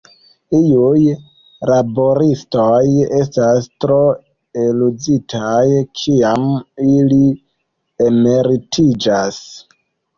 Iuj laboristoj estas tro eluzitaj kiam ili emeritiĝas.